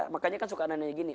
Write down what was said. makanya kan suka anak anaknya gini